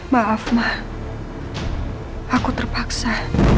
maaf ma aku terpaksa